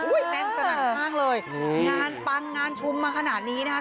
แน่นสนั่นมากเลยงานปังงานชุมมาขนาดนี้นะครับ